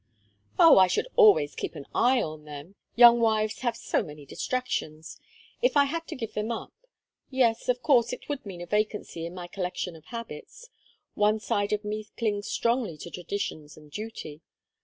"Oh, I should always keep an eye on them; young wives have so many distractions. If I had to give them up yes, of course it would mean a vacancy in my collection of habits; one side of me clings strongly to traditions and duty.